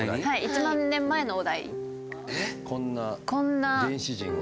１万年前のお題。